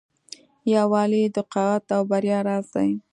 یووالی د قوت او بریا راز دی.